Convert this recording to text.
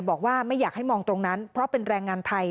บอกว่าไม่อยากให้มองตรงนั้นเพราะเป็นแรงงานไทย